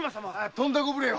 とんだご無礼を。